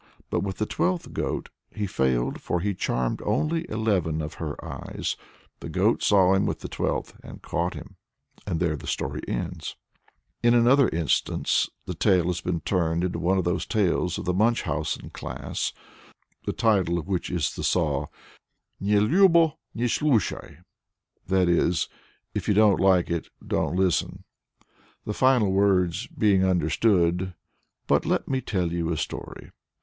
But with the twelfth goat he failed, for he charmed only eleven of her eyes. The goat saw him with the twelfth and caught him," and there the story ends. In another instance the myth has been turned into one of those tales of the Munchausen class, the title of which is the "saw" Ne lyubo, ne slushai, i.e., "If you don't like, don't listen" the final words being understood; "but let me tell you a story."